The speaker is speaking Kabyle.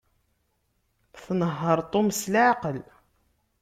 Inehheṛ Tom s leɛqel.